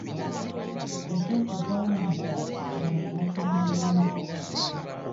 Eky'okugyawo omuggalo abantu bakimanyi bulungi.